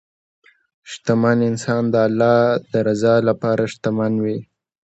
شتمن انسان د الله د رضا لپاره شتمن وي.